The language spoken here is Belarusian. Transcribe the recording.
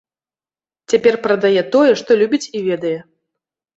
Цяпер прадае тое, што любіць і ведае.